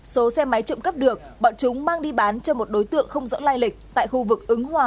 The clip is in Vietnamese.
số xe máy trộm cắp được bọn chúng mang đi bán cho một đối tượng không rõ lai lịch tại khu vực ứng hòa